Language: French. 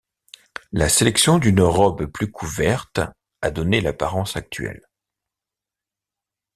La sélection d'une robe plus couverte a donné l'apparence actuelle.